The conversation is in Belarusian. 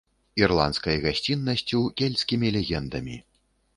Ірландскай гасціннасцю, кельцкімі легендамі.